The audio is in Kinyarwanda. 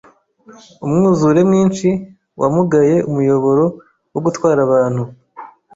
Umwuzure mwinshi wamugaye umuyoboro wogutwara abantu.